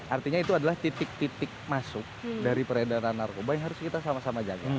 artinya itu adalah titik titik masuk dari peredaran narkoba yang harus kita sama sama jaga